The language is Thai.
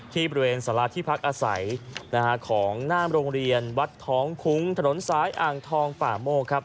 ที่บริเวณศาลาธิพักอาศัยของนามโรงเรียนวัดท้องคุงถนนสายอ่างทองป่าโม